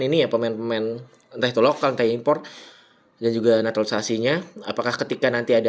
ini ya pemain pemain entah itu lokal entah impor dan juga naturalisasinya apakah ketika nanti ada